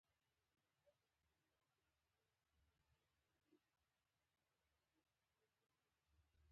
افغانستان د چرګان په برخه کې نړیوالو بنسټونو سره کار کوي.